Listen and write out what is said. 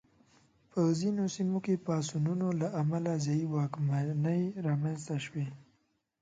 په ځینو سیمو کې پاڅونونو له امله ځايي واکمنۍ رامنځته شوې.